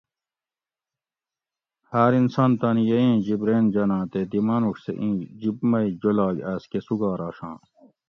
ہاۤر انسان تانی یئ ایں جِب رین جاناں تے دی مانوڄ سٞہ اِیں جِب مئ جولاگ آۤس کۤہ سُگار آشاں۔